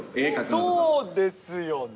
そうですよね。